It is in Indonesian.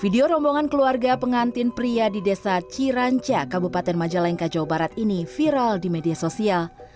video rombongan keluarga pengantin pria di desa ciranca kabupaten majalengka jawa barat ini viral di media sosial